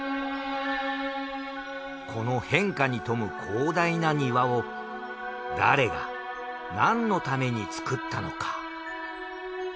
この変化に富む広大な庭を誰がなんのために造ったのか？